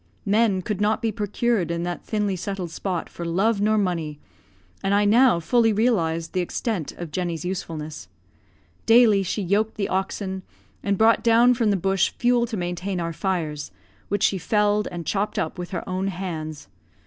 Men could not be procured in that thinly settled spot for love nor money, and I now fully realised the extent of Jenny's usefulness. Daily she yoked the oxen, and brought down from the bush fuel to maintain our fires, which she felled and chopped up with her own hands.